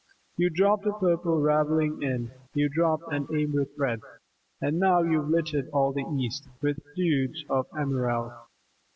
You dropped a Purple Ravelling in You dropped an Amber thread And now you've littered all the east With Duds of Emerald!